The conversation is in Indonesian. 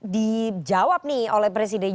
dijawab nih oleh presiden